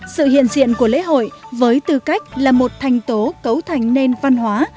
sự hiện diện của lễ hội với tư cách là một thành tố cấu thành nền văn hóa